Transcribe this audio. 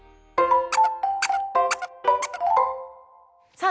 さあ